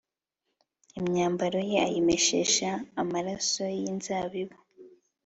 Imyambaro ye ayimeshesha amaraso y inzabibu